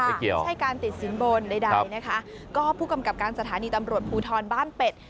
ไม่ใช่การติดสินบนใดใดนะคะก็ผู้กำกับการสถานีตำรวจภูทรบ้านเป็ด